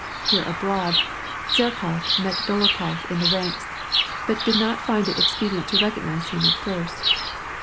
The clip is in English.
Here, abroad, Zherkof met Dolokhof in the ranks, but , did not find it expedient to recognize him at first..